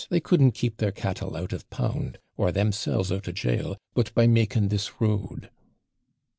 They couldn't keep their cattle out of pound, or themselves out of jail, but by making this road.'